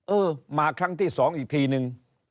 เออมาครั้งที่๒อีกทีนึง